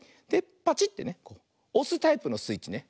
パチッてねおすタイプのスイッチね。